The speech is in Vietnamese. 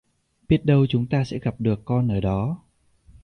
Biết đâu chúng ta sẽ gặp được con ở đó